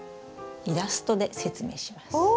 イラストで説明します。